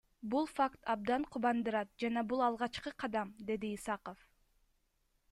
Бул факт абдан кубандырат жана бул алгачкы кадам, — деди Исаков.